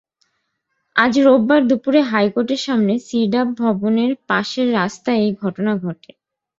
আজ রোববার দুপুরে হাইকোর্টের সামনে সিরডাপ ভবনের পাশের রাস্তায় এ ঘটনা ঘটে।